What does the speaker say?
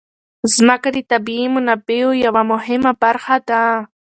ځمکه د طبیعي منابعو یوه مهمه برخه ده.